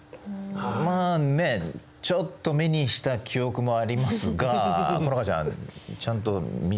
まあねちょっと目にした記憶もありますが好花ちゃんちゃんと見てる？